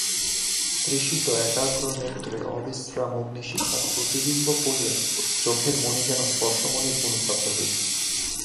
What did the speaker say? তৃষিত একাগ্রনেত্রে অবিশ্রাম অগ্নিশিখার প্রতিবিম্ব পড়িয়া চোখের মণি যেন স্পর্শমণির গুণপ্রাপ্ত হইল।